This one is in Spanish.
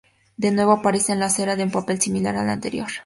De nuevo, aparece Ian Sera en un papel similar al anterior.